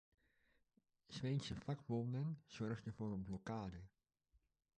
Zweedse vakbonden zorgden voor een blokkade.